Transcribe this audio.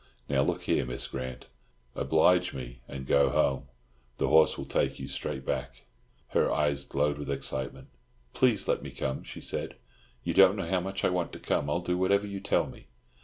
Now look here, Miss Grant, oblige me and go home. The horse will take you straight back." Her eyes glowed with excitement. "Please let me come," she said. "You don't know how much I want to come. I'll do whatever you tell me!"